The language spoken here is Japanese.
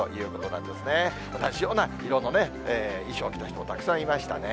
同じような色の衣装を着た人もたくさんいましたね。